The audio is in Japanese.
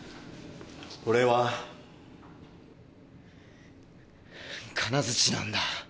俺は金づちなんだ。